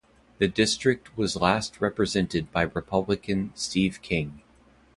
The district was last represented by Republican Steve King.